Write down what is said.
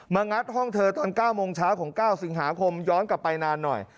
งัดห้องเธอตอน๙โมงเช้าของ๙สิงหาคมย้อนกลับไปนานหน่อย